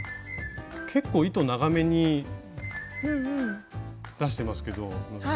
結構糸長めに出してますけど希さん。